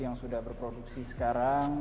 yang sudah berproduksi sekarang